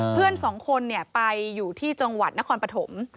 เพื่อนสองคนไปอยู่ที่จังหวัดนครปฐม